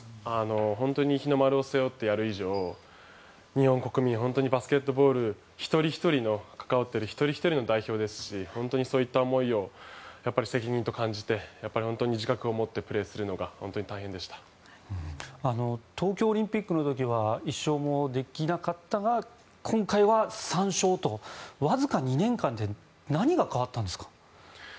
本当に日の丸を背負ってやる以上日本国民、本当にバスケットボールに関わっている一人ひとりの代表ですし本当にそういった思いを責任と感じて自覚を持って東京オリンピックの時は１勝もできなかったが今回は３勝とわずか２年間で何が変わったんですか？